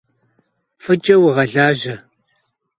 F'ıç'e vuğelaje!